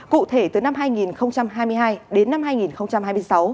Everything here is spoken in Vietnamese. cụ thể từ năm hai nghìn hai mươi hai đến năm hai nghìn hai mươi sáu